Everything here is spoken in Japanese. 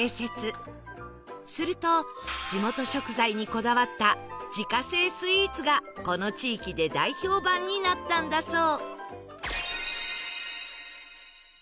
すると地元食材にこだわった自家製スイーツがこの地域で大評判になったんだそう